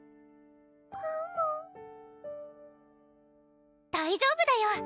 パム大丈夫だよ！